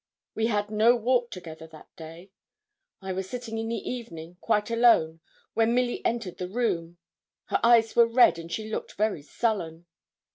We had no walk together that day. I was sitting in the evening, quite alone, when Milly entered the room. Her eyes were red, and she looked very sullen.